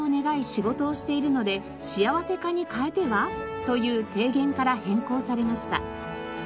仕事をしているのでしあわせ課に変えては？という提言から変更されました。